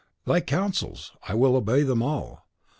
"Thy counsels! I will obey them all.